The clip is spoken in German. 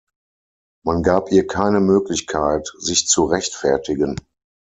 Man gab ihr keine Möglichkeit, sich zu rechtfertigen.